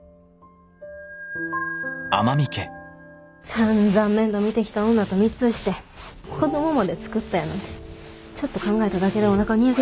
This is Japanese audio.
さんざん面倒見てきた女と密通して子供まで作ったやなんてちょっと考えただけでおなか煮えくり返るわ。